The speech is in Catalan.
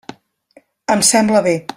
Em sembla bé.